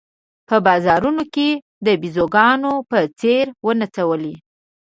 په بازارونو کې د بېزوګانو په څېر ونڅولې.